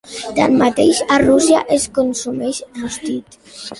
Tanmateix, a Rússia es consumeix rostit.